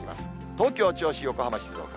東京、銚子、横浜、静岡。